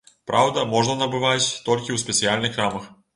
Праўда, можна набываць толькі ў спецыяльных крамах.